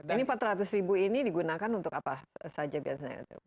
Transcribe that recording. ini empat ratus ribu ini digunakan untuk apa saja biasanya